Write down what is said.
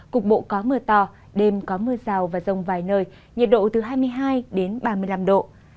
cục bộ có mưa to đêm có mưa rào và rông vài nơi nhiệt độ từ hai mươi hai đến ba mươi năm độ